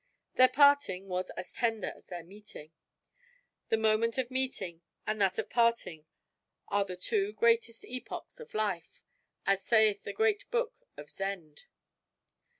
Their parting was as tender as their meeting. The moment of meeting and that of parting are the two greatest epochs of life, as sayeth the great book of Zend.